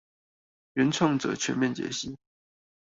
原創者全面解析